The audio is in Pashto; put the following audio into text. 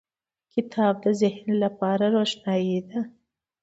• کتاب د ذهن لپاره روښنایي ده.